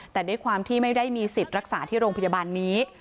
แต่ด้วยความที่ไม่ได้มีสิทธิ์รักษาที่โรงพยาบาลนี้